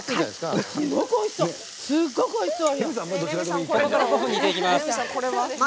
すっごくおいしそう！